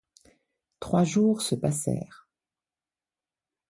Trois jours se passèrent.